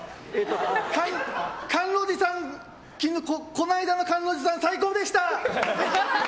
この間の甘露寺さん最高でした！